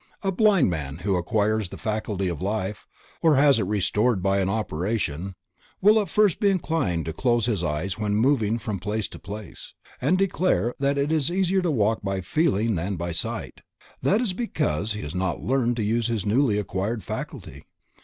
A blind man who acquires the faculty of sight, or has it restored by an operation, will at first be inclined to close his eyes when moving from place to place, and declare that it is easier to walk by feeling than by sight; that is because he has not learned to use his newly acquired faculty.